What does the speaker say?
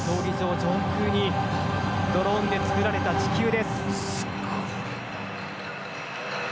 上空にドローンで作られた地球です。